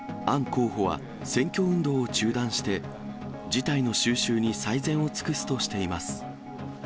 アン候補は、選挙運動を中断して、事態の収拾に最善を尽くすとしています。